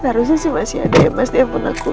harusnya masih ada ya mas di handphone aku